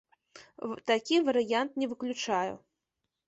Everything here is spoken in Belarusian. Такі варыянт не выключаю.